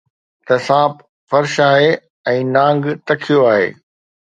ته سانپ فرش آهي ۽ نانگ تکيو آهي